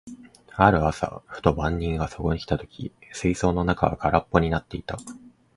ある朝、ふと番人がそこに来た時、水槽の中は空っぽになっていた。